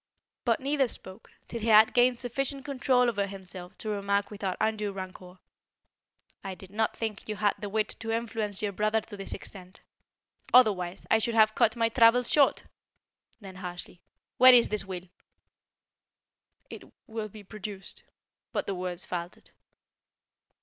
But neither spoke, till he had gained sufficient control over himself to remark without undue rancour: "I did not think you had the wit to influence your brother to this extent; otherwise, I should have cut my travels short." Then harshly: "Where is this will?" "It will be produced." But the words faltered.